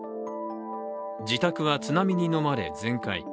自宅は津波にのまれ全壊。